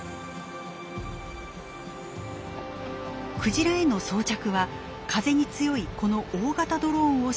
クジラへの装着は風に強いこの大型ドローンを使用。